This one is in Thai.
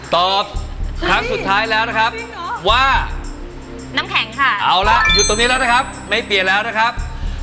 ตอบครั้งสุดท้ายแล้วนะครับ